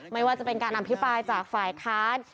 ไม่ว่าจะเป็นการอภิปรายจากฝ่ายค้าน